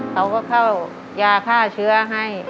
เขาก็เข้ายาฆ่าเชื้อให้